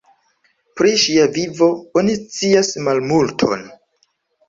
Pri ŝia vivo oni scias malmulton.